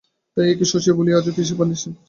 তাই কি শশী ভুলিয়া যায় আজো পিসি বাঁচিয়া আছে?